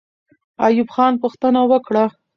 ایوب خان پوښتنه وکړه.